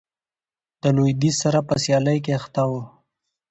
د لوېدیځ سره په سیالۍ کې اخته و.